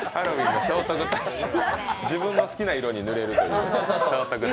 自分の好きな色に塗れるという？